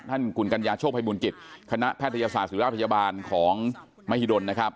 ท่านกุลกัญญาโชคไพบูลกิจคณะแพทยศาสตร์ศิลาพยาบาลของมหิดลนะครับ